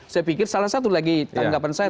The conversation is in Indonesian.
saya pikir salah satu lagi tanggapan saya